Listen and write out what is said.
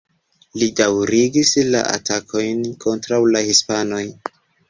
Li daŭrigis la atakojn kontraŭ la hispanoj.